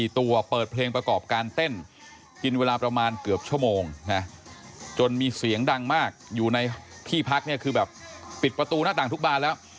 ที่พักเนี่ยคือแบบปิดประตูหน้าต่างทุกบานแล้ว